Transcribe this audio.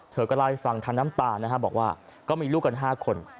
เธอก็เล่าให้ฟังทางน้ำตานะครับบอกว่าก็มีลูกกัน๕คน